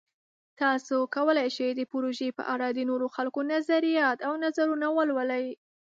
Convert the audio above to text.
تاسو کولی شئ د پروژې په اړه د نورو خلکو نظریات او نظرونه ولولئ.